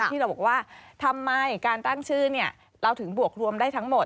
ที่เราบอกว่าทำไมการตั้งชื่อเราถึงบวกรวมได้ทั้งหมด